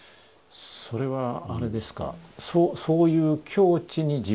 それはあれですかそういう境地に自分がなる。